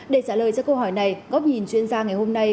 để trả lời cho câu hỏi này góc nhìn chuyên gia ngày hôm nay